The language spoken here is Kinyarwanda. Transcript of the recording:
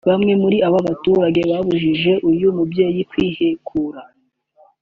Bamwe muri aba baturage babujije uyu mubyeyi kwihekura